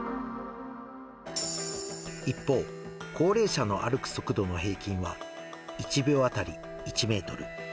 一方、高齢者の歩く速度の平均は１秒当たり１メートル。